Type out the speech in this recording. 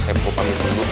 saya mau panggil orang dulu